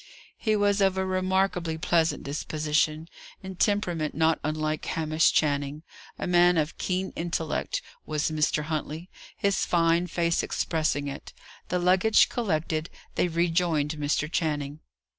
He was of a remarkably pleasant disposition, in temperament not unlike Hamish Channing. A man of keen intellect was Mr. Huntley; his fine face expressing it. The luggage collected, they rejoined Mr. Channing.